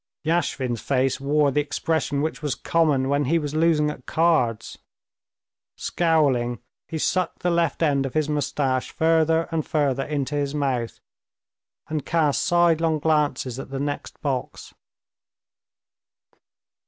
Yashvin's face wore the expression which was common when he was losing at cards. Scowling, he sucked the left end of his mustache further and further into his mouth, and cast sidelong glances at the next box.